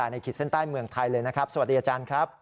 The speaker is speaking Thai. ขีดเส้นใต้เมืองไทยเลยนะครับสวัสดีอาจารย์ครับ